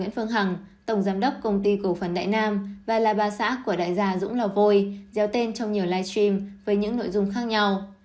nguyễn phương hằng tổng giám đốc công ty cổ phần đại nam và là ba xã của đại gia dũng lò vôi gieo tên trong nhiều live stream với những nội dung khác nhau